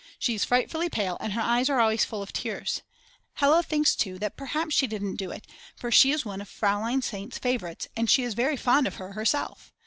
She is frightfully pale and her eyes are always full of tears. Hella thinks too that perhaps she didn't do it, for she is one of Frl. St.'s favourites and she is very fond of her herself.